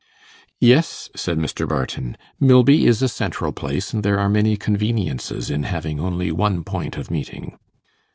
'Yes,' said Mr. Barton; 'Milby is a central place, and there are many conveniences in having only one point of meeting.